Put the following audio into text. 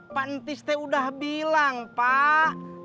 pak entis teh udah bilang pak